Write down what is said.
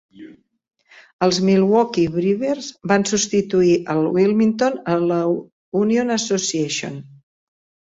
Els Milwaukee Brewers van substituir el Wilmington a la Union Association.